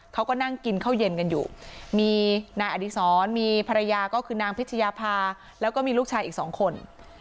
เขาก็นั่งกินข้าวเย็นกันอยู่มีนายอดีศรมีภรรยาก็คือนางพิชยาภาแล้วก็มีลูกชายอีกสองคน